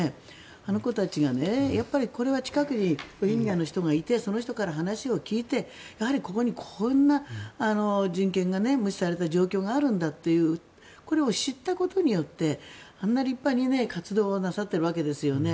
あの子たちがこれは近くにロヒンギャの人がいてその人から話を聞いて、ここにこんな人権が無視された状況があるんだというこれを知ったことによってあんなに立派に活動をなさっているわけですよね。